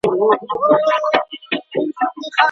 که د ناروغانو محرمیت وساتل سي، نو هغوی نه ناارامه کیږي.